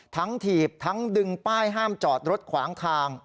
ถีบทั้งดึงป้ายห้ามจอดรถขวางทาง